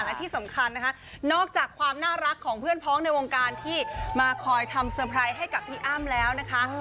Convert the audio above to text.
และที่สำคัญนะคะนอกจากความน่ารักของเพื่อนพ้องในวงการที่มาคอยทำเซอร์ไพรส์ให้กับพี่อ้ำแล้วนะคะ